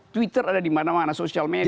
twitter ada di mana mana sosial media